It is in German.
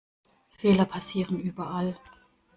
Fehler passieren überall.